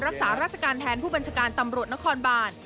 รักษาราชการแทนผู้บัญชาการตำรวจนครบาน